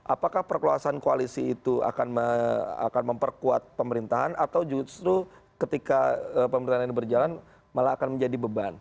apakah perluasan koalisi itu akan memperkuat pemerintahan atau justru ketika pemerintahan ini berjalan malah akan menjadi beban